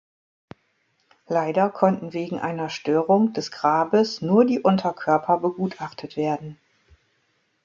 Leider konnten wegen einer Störung des Grabes nur die Unterkörper begutachtet werden.